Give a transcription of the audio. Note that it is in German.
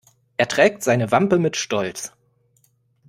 Er trägt seine Wampe mit Stolz.